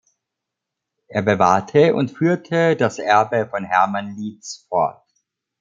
Er bewahrte und führte das Erbe von Hermann Lietz fort.